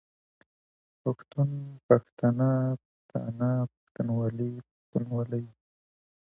پښتون، پښتنه، پښتانه، پښتونولي، پښتونولۍ